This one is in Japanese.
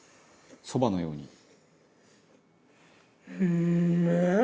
そばのように」